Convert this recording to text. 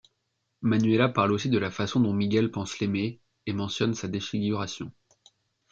Manuela parle aussi de la façon dont Miguel pense l'aimer, et mentionne sa défiguration.